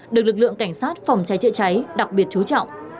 được lực lượng cảnh sát phòng cháy chữa cháy đặc biệt chú trọng